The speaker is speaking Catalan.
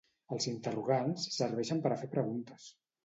Els interrogants serveixen per a fer preguntes